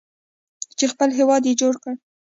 چې خپل هیواد یې جوړ کړ.